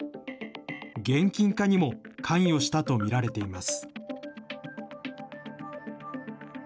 現金化にも関与したと見られています。